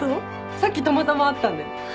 さっきたまたま会ったんだよ。